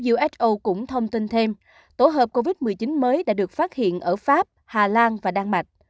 uso cũng thông tin thêm tổ hợp covid một mươi chín mới đã được phát hiện ở pháp hà lan và đan mạch